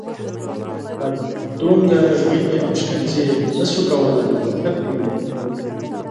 دا دومره وینې او شکنجې نه شو کولای ختمې کړو.